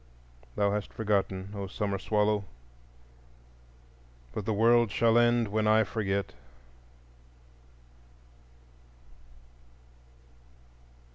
_ Thou hast forgotten, O summer swallow, But the world shall end when I forget.